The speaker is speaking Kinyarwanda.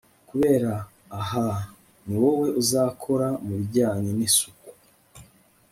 kabera aah! ni wowe uzakora mu bijyanye n'isuku